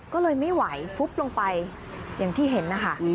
ก็เลยไม่ไหวฟุบลงไปอย่างที่เห็นนะคะ